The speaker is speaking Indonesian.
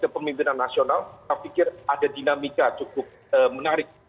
kepemimpinan nasional saya pikir ada dinamika cukup menarik